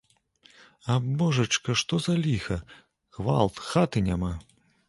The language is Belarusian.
А божачка, што за ліха, гвалт, хаты няма!